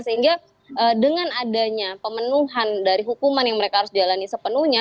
sehingga dengan adanya pemenuhan dari hukuman yang mereka harus jalani sepenuhnya